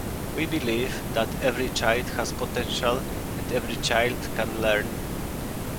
We believe that every child has potential and every child can learn.